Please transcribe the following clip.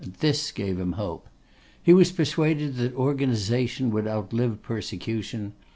This gave him hope. He was persuaded that organisation would outlive persecution.